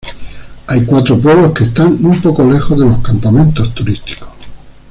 Hay cuatro pueblos que están un poco lejos de los campamentos turísticos.